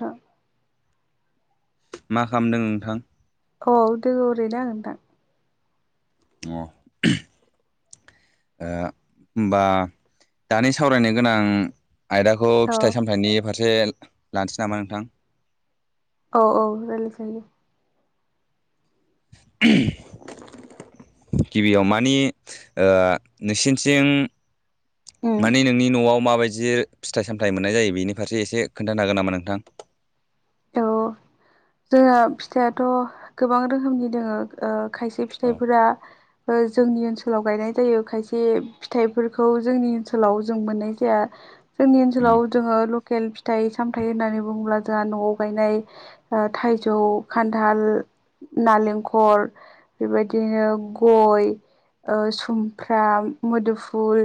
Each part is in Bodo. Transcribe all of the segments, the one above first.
था। मा खालामदों नोंथां। औ दों ओरैनो आं नोंथां। अ हुम। ओ होनबा दानि सावरायनो गोनां आयदाखौ औ फिथाइ सामथायाइनि फारसे लानोसै नामा नोंथां? औ औ रायलायजायो। उहुम। गिबियाव मानि ओ नोंसिनिथिं उम माने नोंनि नआव माबायद जि फिथाइ सामथाइ मोननाय जायो बेनि फारसे एसे खोन्थानो हागोन नामा नोंथां? औ जोंहा फिथाइयाथ गोबां रोखोमनि दोङो। खायसे औ फिथाइफोरा ओ जोंनि ओनसोलाव गायनाय जायो खायसे फिथाइफोरखौ जोंनि ओनसोलाव जों मोननाय जाया। जोंनि उम ओनसोलाव जोङो लकेल फिथाइ सामथायाइ होननानै बुङोब्ला जोंहा नआव गायनाय ओ थाइजौ खान्थाल नालेखल बेबायदिनो गय ओ सुमफ्राम मोदोफुल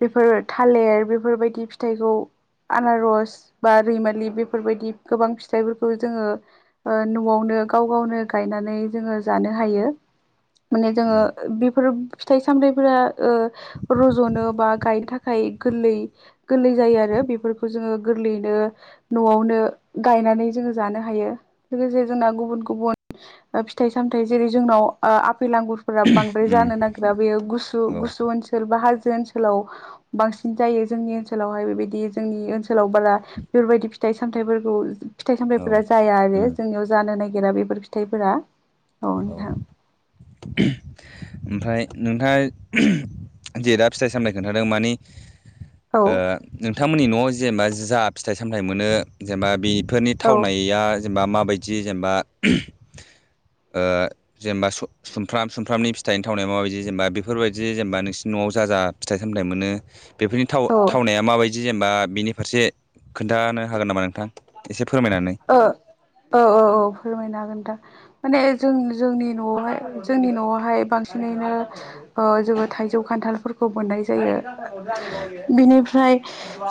बेफोर थालिर बेफोरबायदि फिथाइखौ आनारस बा रैमालि बेफोरबायदि गोबां फि फिथाइफोरखौ जोङो ओ नआवनो गाव गावनो गायनानै जोङो जानो हायो। [unintelligible] माने जोङो बिफोर फिथाइ सामथायाइफोरा ओ रजनो बा गायनो थाखाय गोरलै गोरलै जायो आरो। बेफोरखौ जोङो गोरलैयैनो नआवनो गायनानै जोङो जानो हायो लोगोसे जोंना गुबुन गुबुन ओ फिथाइ सामथाइ जेरै जोंनाव ओ आ फैलांगुरफोरा बांद्राय उम जानो नागिरा बेयो गुस औ गुसु ओनसोल बा हाजो ओनसोलाव बांसिन जायो जोंनि ओनसोलावहाय बेबायदि जोंनि ओनसोलाव बाला बेफोरबायदि फिथा थाइ सामथायफोरखौ फिथाइ औ सामथायफोरा जाया आरो उम जोंनियाव जानो नागिरा बेफोर फिथाइफोरा औ उहुम। ओमफाय नोंथाङा उहुम जे दा फिथाइ सामथाइ खोन्थादों मानि औ ओ नोंथांमोननि न'आव जेनबा जा फिथाइ सामथाइ मोनो जेनबा बि फोरनि औ थावनाया जेनबा माबायदि जेनबा ओ जेनबा सु सुमफ्राम सुमफ्रामनि फिथाइनि थावनायाव माबायदि जेनबा बेफोरबायदि जेनबा नोंसिनि न'आव जा जा फिथाइ सामथाइ मोनो बेफोरनि थाव ओ थावनाया माबायदि जेनबा बेनि फारसे खोन्थानो हागोन नामा नोंथां? एसे फोरमायनानै ओ औ औ फोरमायनो हागोन नोंथां। माने जों जोंनि न'आवहाय जोंनि न'आवहाय बांसिनैनो ओ जोङो थाइजौ खान खान्थालफोरखौ मोननाय जायो। औ [unintelligible] बिनिफ्राय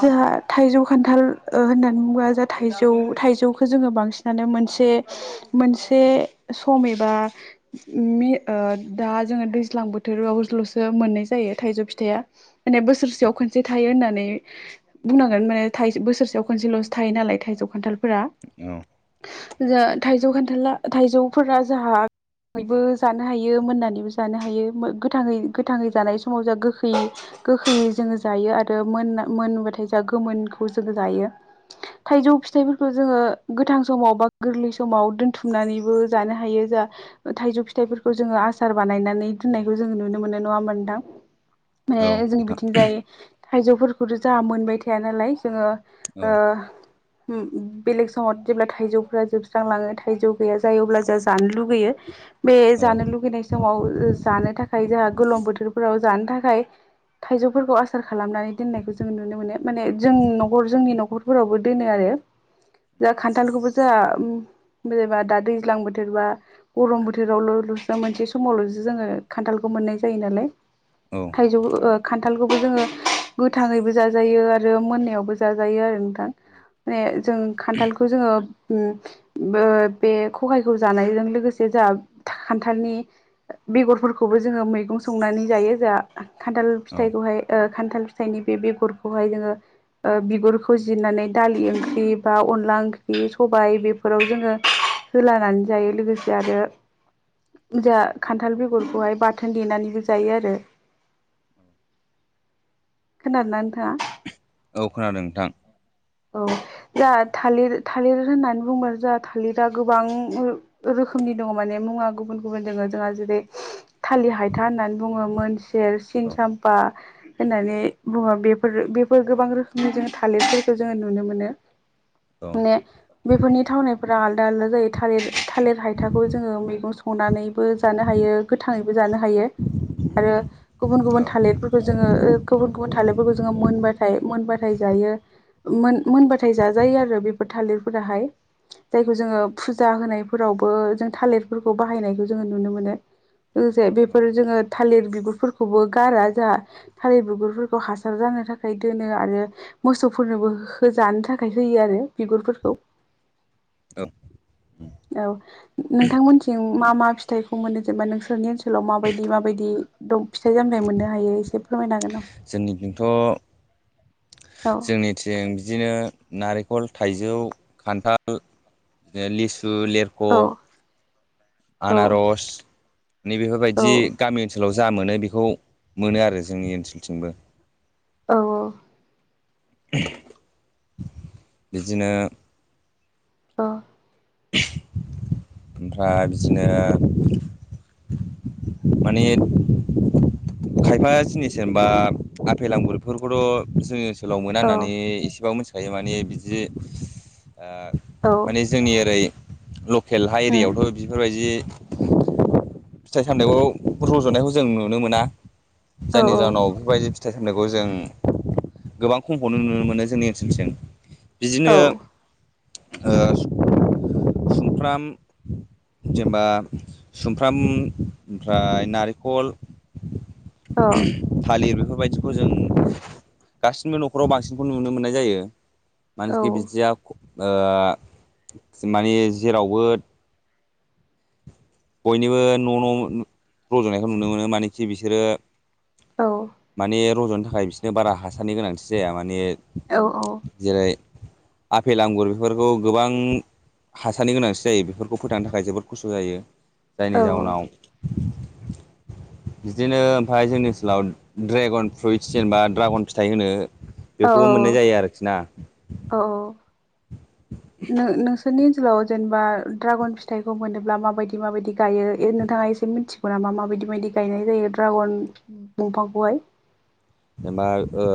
जोहा थाइजौ, खान्थाल ओ होननानै बुङोबा जाहाथ थाइजौ थाइजौखो जोङो बांसिनानो मोनसे मोनसे सम एबा मे ओद दा जोङो दैज्लां बोथोरावज्ल'सो मोननाय जायो थाइजौ फिथाइया माने बोसोरसेयाव खोनसे थायो होननानै बुंनांगोन माने थाइज बोसोरसेयाव खनसेल'सो थायो नालाय थाइजौ खान्थालफोरा औ जो थाइजौ खान्थाला थाइजौफोरा जाहा मैबो जानो हायो मोननानैबो जानो हायो मो गोथाङै गोथाङै जानाय समाव जा गोखै गोखैयै जोङो जायो आरो मोनना मोनबाथाय जा गोमोनखौ जोङो जायो। थाइजौ फिथाइफोरखौ जोङो गोथां समाव बा गोरलै समाव दोनथुमनानैबो जानो हायो जा ओ थाइजौ फिथाइफोरखौ जोङो आसार बानायनानै दोननायखौ जोङो नुनो मोनो नङा ओमबा नोंथां? माने औ जोंनि नोंथां बिथिं जाय थाइजौफोरखौथ' जाहा मोनबाय थाया नालाय जोङो औ ओ उम बेलेग समाव जेब्ला थाइजौफोरा जोबस्रांलाङो थाइजौ गैया जायो अब्ला जा जानो लुगैयो। बे औ जानो लुगैनाय समाव ओ जानो थाखाय जोंहा गलम बोथोरफोराव जानो थाखाय थाइजौफोरखौ आसार खालामनानै दोननायखौ जों नुनो मोनो माने जों न'खर जोंनि न'खरफोरावबो दोनो आरो जा खान्थालखौबो जोङा उम [unintelligible] दा दैज्लां बोथोर बा गरम बोथोरावल'ल'सो मोनसे समावल'सो जोङो खान्थालखौ मोननाय जायो नालाय औ थाइजौ ओ खान्थालखौबो जोङो गोथाङैबो जाजायो आरो मोननायावबो जाजायो आरो नोंथां। ओ ने जों खान्थालखौ जोङो उम बो बे खखायखौ जानायजों लोगोसे जाहाब खान्थालनि ओ बेगरफोरखौबो जोङो मैगं संनानै जायो जाहा खान्थाल फिथाइखौहाय ओ खान्थाल फिथाइनि बे बेगरखौहाय जोङो ओ बिगुरखौ जिरनानै दालि ओंख्रि बा अनला ओंख्रि सबाय बेफोराव जोङो होलानानै जायो लोगोसे आरो जाहा खान्थाल बेगरखौहाय बाथोन देनानैबो जायो आरो खोनादोना नोंथाङा? औ खोनादों नोंथां। औ जा थालिर थालिर होननानै बुंबा जा थालिरा गोबां ओ रोखोमनि दङ माने मुङा गुबुन गुबुन दोङो जोंहा जेरै थाालिर हायथा होननानै बुङो मोनसेेर सिन औ सामफा आ होननानै बुङो बेफोरो बेफोर गोबां रोखोमनि थालिरफोर खो जोङो नुनो मोनो औ बुं ने बेफोरनि थावनायफोरा आलदा आलदा जायो थालिर थालिर हायथाखौ जोङो मैगं संनानैबो जानो हाय हायो गोथाङैबो जानो हायो आरो गुबुन औ गुबुन थालिरफोरखौ जोङो ओ गुबुन गुबुन थालिरफोरखौ जोङो मोनबाथाय मोनबाथाय जायो। मोन मोनबाथाय जाजायो आरो बेफोर थालिरफोराहाय जायखौ जोङो फुजा होनायफोरावबो जों थालिरफोरखौ बाहायनायखौ जोङो नुनो मोनो। लोगोसे औ बेफोर जोङो थालिर बिगुरफोरखौबो गारा जाहा थालिर बिगुरफोरखौ हासार जा नो थाखाय दोनो आरो मोसौफो फोरनोबो होजानो थाखाय होयो आरो बिगुरफोरखौ औ औ नोंथांमोनथिं मा मा फिथाइखौ मोनो जेनबा नोंसोरनि ओनसोलाव माबायदि माबायदि दं फिथाइ सामथाय मोननो हायो एसे फोरमायनो हागोन नामा? जोंनिथिंथ' औ जोंनिथिं बिदिनो नारेखल, थाइजौ, खान्थाल ओ लिसु, लेरख' औ औ आनारस नैबेफोरबायदि गामि ओनसोलाव ज जा मोनो बेखौ मोनो आरो जोंनि ओनसोलथिंबो। औ ओ बिदिनो औ ओमफ्राय बिदिनो माने खायफा जिनिस जेनबा आफेल आंगुरफोरखौथ' जोंङो सोलाव मोना होननानै एसेबाबो मिथिखायो माने बिदि औ माने जोंनि ओरै लकेल हा उम एरियायावथ' बेफोरबायदि फिथाइ सामथाइखौ रज'नायखौ जों नुनो मोना औ जायनि जाहोनाव बेफोरबायदि फिथाइ सामनायखौ जों गोबां खमखौनो नुनो मोनो जोंनि ओनसोलसिम औ बिदिनो ओ सुमफ्राम जेनेबा सुमफ्राम ओमफ्राय नारेंखल औ थालिर बेखौ बेबायदिखौ जों गासिबो न'खराव बांसिनखौ नुनो मोननाय जायो औ मानखि बिदिया माने जेरावबो बयनिबो न' न' रज'नायखौ नुनो मोनो मानखि बिसोरो औ माने रज'नो थाखाय बिसोरनो बारा हासारनि गोनांथि जाया माने जेरै आफेल आंगुर बेफोरखौ गोबां हासारनि गोनांथि जायो बेफोरखौ फोथांनो थाखाय जोबोद खस्थ' जायो औ जायनि जाउनाव [inaudible] बिदिनो ओमफ्राय जोंनि ओनसोलाव ड्रेागन फ्रुइट जेनेबा ड्रागन फिथाइ होनो औ बेखौबो मोननाय जायो आरोखि ना नो नो नोंसोरनि ओनसोलाव जेनेबा द्रागन फिथाइखौ मोनोब्ला माबायदि माबायदि गायो नोंथांङा एसे मिथिगौ नामा? मा मााबायदि बायदि गायनाय जायो द्रागन दंफांखौहाय जेनबा ओ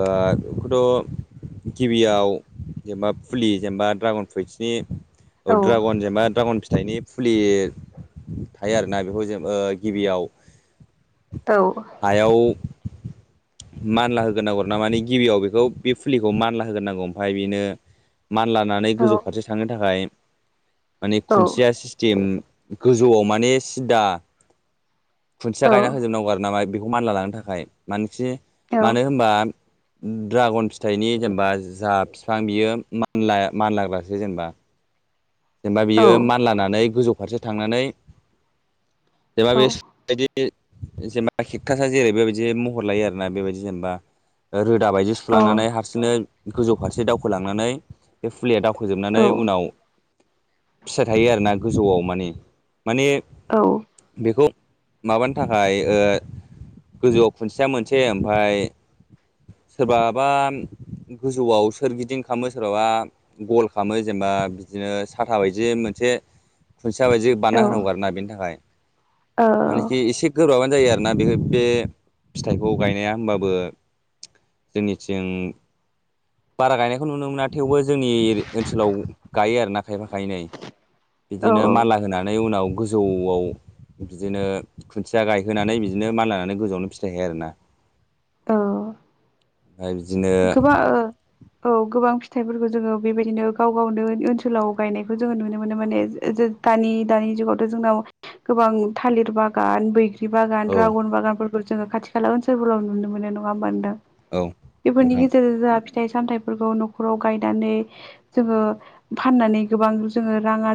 बेखौथ' गिबियाव जेनबा फुलि जेनेबा ड्रागन फ्रुइट्सनि औ द्रागन जेनबा द्रागन फि फिथाइनि फुलि थायो आरोना बेखौ जोंओ गिबियाव औ हायाव मानला होग्रोन नांगर ना माने गिबियाव बेखौ बे फुलिखौ मानला होग्र नांगौ ओमफफ्राय बेनो मान लानानै औ गोजौ फारसे थांनो थाखाय माने खुन्सेया सिस्टेम गोजौआव माने सिदा खुन्थिया औ गायना होजोबनांगौ आरो नामा बेखौ मानला लांनो थाखाय मानोखि औ मानो होनबा द्रागन फिथाइनि जेनेबा जा बिफां बियो मानलाग्रासो जेनेबा जेनेबा औ बियो मानलानानै गोजौ फारसे थांनानै जेनेबा औ बेदि जेनेबा खेकथास जेरै बेबायदि महर लायो आरोना बेबायदि जेनेबा रो रोदा बायदि सुलांनानै हारसिंनो गोजौ फारसे दावखोलांनानै बे फुलिया दाव फोजोबनानै उनाव फिथाइ थायो आरोना गोजौआव मानिे माने औ बेखौ माबानो थाखाय ओ गोजौआव खुन्सेया मोनसे ओमफफ्राय सोरबाबा गोजौआव सोरगिदिं खालामो सोरबाबा गल खालामामो जेनेबा बिदिनो साथा बायदि मोनसे खुन्थिया बायदि औ बानायना होनांगौ आरो ना बेनि थाखाय औ मानेखि एसे गोब्राबानो जायो आरोना बे बे फिथाइखौ गायनाया होमबाबो जोंनिथिं बारा गायनायखौ नुनो मोना थेवबो जोंनि एरि ओनसोलाव गायो आरो ना खायफा खायनै औ बिदिनो औ मानला होनानै उनाव गोजौवाव बिदिनो खुन्थिया गायहोनानै बिदिनो मानला लायानानै गोजौवावनो फिथाइ हायो आरोना औ [unintelligible] गोबां ओ औ गोबां फिथाइफोरखौ जोङो बेबायदिनो गाव गावनो ओनसोलाव गायनायखौ जोङो नुनो मोनो माने जे दानि दानि जुगावथ' जोंनाव गोबां थालिर बागान बैग्रि बागान औ ड्रागन बागानफोरखौ जोङो खाथि खाला ओनसोलावफोराव नुनो मोनो नङा होमबा नोंथां? औ। इफोरनि नोंथां गेदेरा फिथाइ सामथायाइफोरखौ नख'राव गायनानै जोङो फाननानै गोबां जोङो राङा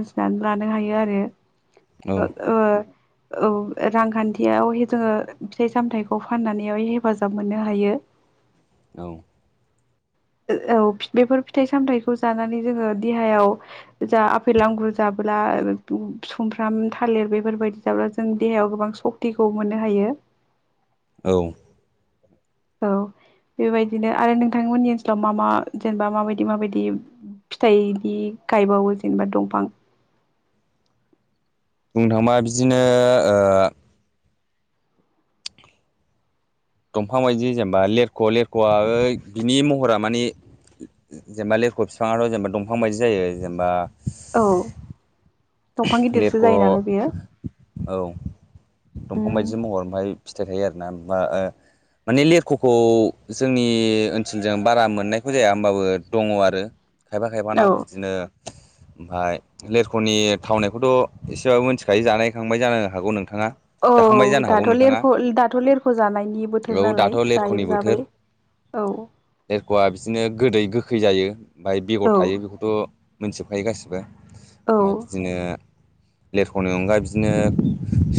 लानो हायो आरो औ ओ औ रांखान्थियाव जोङो फिथाइ सामथायाइखौ फाननानैहाय हेफाजाब मोननो हायो। औ। औ बेफोर फिथाइ सामथाइखौ जानानै जोङो देहायाव जा आपेल आंगुर जा सुमफ्राम थालिर बेफोरबायदि जाब्ला जों देहायाव गोबां सक्तिखौ मोननो हायो। औ। औ बेबायदिनो आरो नोंथांमोननि ओनसोलाव मा मा जेनेबा माबायदि माबायदि फिथाइनि गायबावो जेनेबा दंफां बुंनो थाङोबा बिदिनो ओ दंफां बायदि जेनेबा लेरख' लेरख'वा बिनि महरा मानि जेनेबा लिरख' बिफाङाथ' जेनेबा दंफां बायदि जायो जेनेबा औ। दंफां गिदिरसो लेरख' औ जायो नालाय बेयो दंफां उम बायदि महर ओमफ्राय फिथाइ थायो आरो ना ओ माने लिरख'खौ जोंनि ओनसोलजों बारा मोननायखौ जाया होमबाबो दङ आरो। खायबा खायबानाव औ बिदिनो ओमफ्राय लेरख'नि थावनायखौथ' एसेबाबो मिथिखायो जानायखांबाय जानो हागौ नोंथाङा? औ जाखांबाय जानो हागौ दाथ' नोंथाङा? लेरख' दाथ' लेरख' जानायनि बोथोर औ दाथ' नालाय जायो लेरख'नि बोथोर। जाबाय औ लेरख'वा बिदिनो गोदै गोखै गोखै जायो बाय बेगर औ थायो बेखौथ' मोनथिजोबखायो गासिबो। औ। ओमफ्राय [inaudible] लेरख'नि अनगाै बिदिनो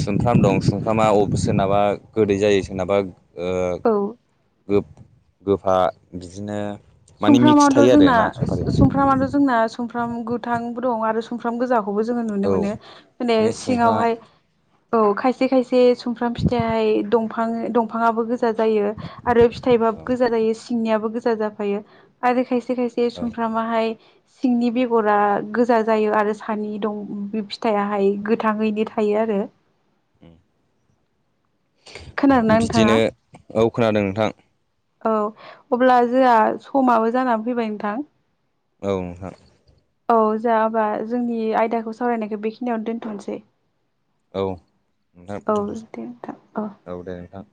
सुमफ्राम दं सुमफ्रामाब सोरनाबा गोदै जायो सोरनाबा ओ औ गो गोफा बिदिनो माने मिक्स सुमफ्रामाथ' थायो आरो जोंना ना सफारि सुमफ्रामाथ' जोंना सुमफ्राम गोथां बो दं आरो सुमफ्राम गोजा खौबो नुनो औ मानो माने सिङावहाय औ खायसे खायसे से सुमफ्राम फिथाइ दंफां दफाङाबो गोजा जायो आरो औ फिथाइबाबो गोजा जायो सिंनियाबो गोजा जाफायो आरो खायसे खायसे खायसे औ समफ्रामा हाय सिंनि बेगरा गोजा जायो आरो सानि दं बे फिथाइयाहाय गोथाङैनो थायो आरो। आरो। खोनादोंना बिदिनो नोंथाङा औ खोनादों नोंथां। औ अब्ला जोआ समाबो जाना फैबाय नोंथां। औ। औ जाबाय जोंनि आयदाखौ सावरायनायखौ बेखिनियावनो दोनथ'नोसै। औ नोंथां औ दे नोंथां दोनथ'नोसै औ दे नोंथां।